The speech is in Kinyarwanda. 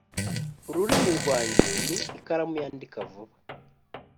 Ururimi rwanjye ni ikaramu yandika vuba